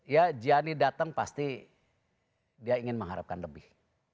ya gianni datang pasti dia ingin mengharapkan lebih